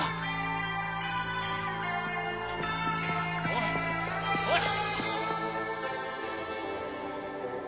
おいおい！